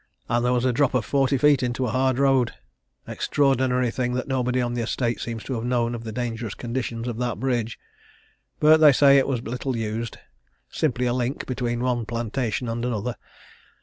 And there was a drop of forty feet into a hard road. Extraordinary thing that nobody on the estate seems to have known of the dangerous condition of that bridge! but they say it was little used simply a link between one plantation and another.